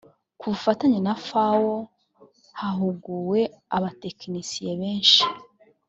ku bufatanye na fawo hahuguwe abatekinisiye benshi.